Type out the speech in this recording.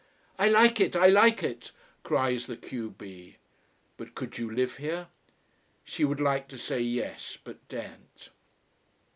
"I like it! I like it!" cries the q b. "But could you live here?" She would like to say yes, but daren't.